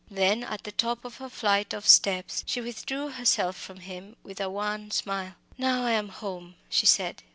Then at the top of her flight of steps she withdrew herself from him with a wan smile. "Now I am home," she said.